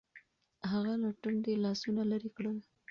هغه له ټنډې لاسونه لرې کړل. .